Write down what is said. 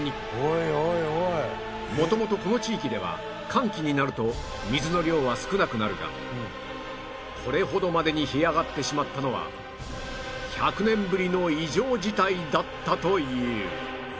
元々この地域では乾期になると水の量は少なくなるがこれほどまでに干上がってしまったのは１００年ぶりの異常事態だったという